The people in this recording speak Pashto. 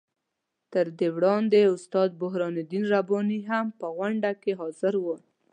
تر دې وړاندې استاد برهان الدین رباني هم په غونډه کې حاضر وو.